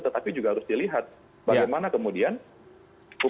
tetapi juga harus dilihat bagaimana kemudian upaya upaya pendidikan hukum